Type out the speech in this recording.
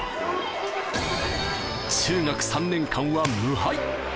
中学３年間は無敗。